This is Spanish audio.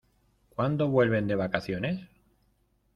¿Cuándo vuelve de vacaciones?